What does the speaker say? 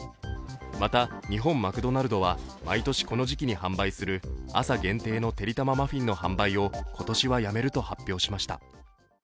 また、日本マクドナルドは毎年この時期に販売する朝限定のてりたまマフィンの販売を今年はやめると発表しました。